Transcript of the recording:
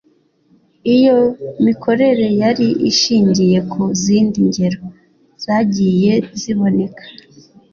Iyo mikorere yari ishingiye ku zindi ngero zagiye ziboneka